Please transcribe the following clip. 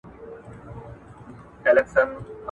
د یو ښه لارښود نښې څه دي؟